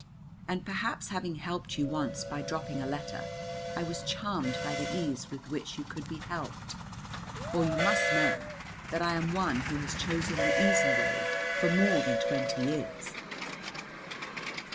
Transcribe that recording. And perhaps having helped you once by dropping a letter I was charmed by the ease with which you could be helped, for you must know that I am one who has chosen the easy way for more than twenty years."